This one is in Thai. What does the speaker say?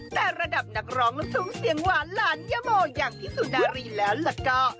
แต่ระดับนักร้องลูกทุ่งเสียงหวานหลานยะโมอย่างพี่สุนารีแล้วล่ะก็